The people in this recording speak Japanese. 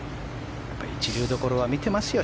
一流どころは見てますよ